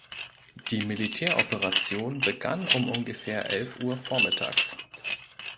Die Militäroperation begann um ungefähr elf Uhr Vormittags.